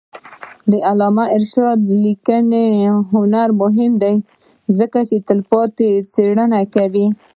د علامه رشاد لیکنی هنر مهم دی ځکه چې تلپاتې څېړنې کوي.